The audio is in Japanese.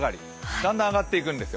だんだん上がっていくんですよ。